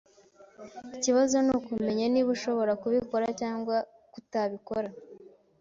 Ikibazo nukumenya niba ashobora kubikora cyangwa kutabikora.